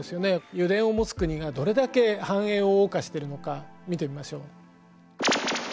油田を持つ国がどれだけ繁栄をおう歌してるのか見てみましょう。